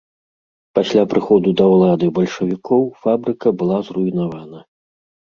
Пасля прыходу да ўлады бальшавікоў фабрыка была зруйнавана.